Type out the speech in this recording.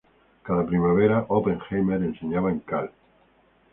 Cada primavera, Oppenheimer enseñaba en Cal.